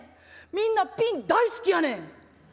みんなピン大好きやねん」。